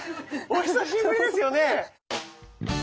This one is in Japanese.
お久しぶりですよね。